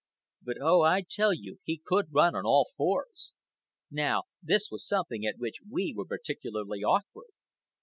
But oh, I tell you he could run on all fours! Now this was something at which we were particularly awkward.